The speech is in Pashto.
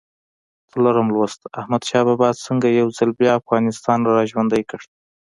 څلورم لوست: احمدشاه بابا څنګه یو ځل بیا افغانستان را ژوندی کړ؟